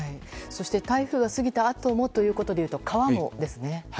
台風が過ぎたあともということでいうと川もですね。